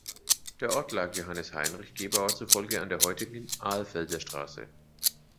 Der Ort lag Johannes Heinrich Gebauer zufolge an der heutigen "Alfelder Straße".